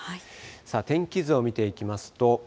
さあ、天気図を見ていきますと。